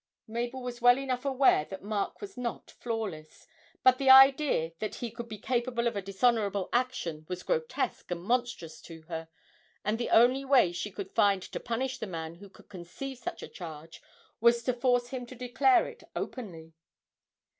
Mabel was well enough aware that Mark was not flawless, but the idea that he could be capable of a dishonourable action was grotesque and monstrous to her, and the only way she could find to punish the man who could conceive such a charge was to force him to declare it openly.